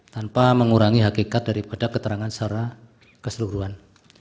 tanpa mengurangi hakikat daripada keterangan secara keseluruhan